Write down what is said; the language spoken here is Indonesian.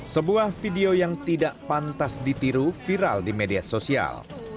sebuah video yang tidak pantas ditiru viral di media sosial